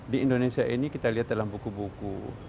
di indonesia ini kita lihat dalam buku buku